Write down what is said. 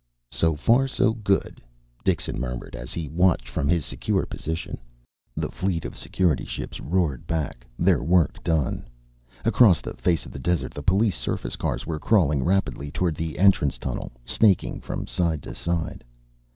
"So far so good," Dixon murmured, as he watched from his secure position. The fleet of Security ships roared back, their work done. Across the face of the desert the police surface cars were crawling rapidly toward the entrance tunnel, snaking from side to side.